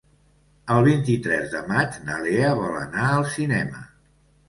El vint-i-tres de maig na Lea vol anar al cinema.